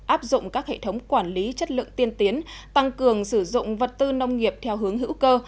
áp dụng các hệ thống quản lý chất lượng tiên tiến tăng cường sử dụng vật tư nông nghiệp theo hướng hữu cơ